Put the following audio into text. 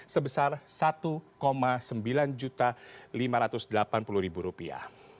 sebesar satu sembilan lima ratus delapan puluh rupiah